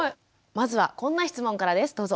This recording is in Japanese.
まずはこんな質問からです。